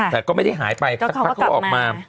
แต่ก็ไม่ได้หายไปสักพักเขาออกมา